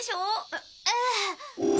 えええ。